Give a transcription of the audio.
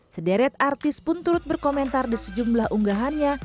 sederet artis pun turut berkomentar di sejumlah unggahannya